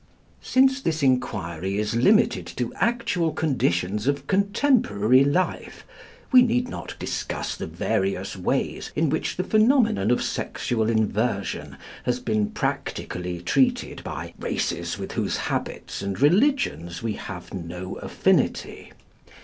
Since this enquiry is limited to actual conditions of contemporary life, we need not discuss the various ways in which the phenomenon of sexual inversion has been practically treated by races with whose habits and religions we have no affinity.